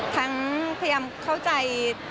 ทั้งพยายามเข้าใจ